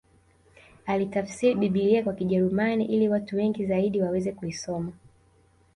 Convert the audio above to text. Alitafsiri Biblia kwa Kijerumani ili watu wengi zaidi waweze kuisoma